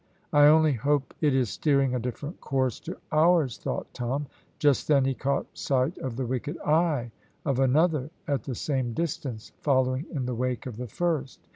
"I only hope it is steering a different course to ours," thought Tom. Just then he caught sight of the wicked eye of another at the same distance, following in the wake of the first.